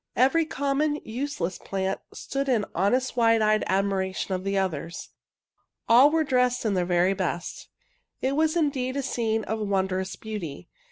Every com mon, useless plant stood in honest wide eyed admiration of the others. All were dressed in their very best. It was indeed a scene of wondrous beauty.